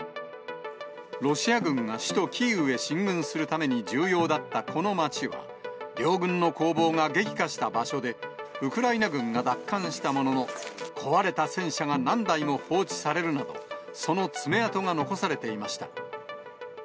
ロシア軍が首都キーウへ進軍するために重要だったこの街は、両軍の攻防が激化した場所で、ウクライナ軍が奪還したものの、壊れた戦車が何台も放置されるなど、その爪痕が残されていました。